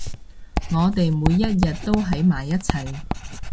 我哋每一日都喺埋一齊